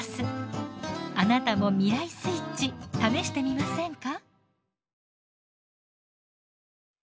あなたも未来スイッチ試してみませんか？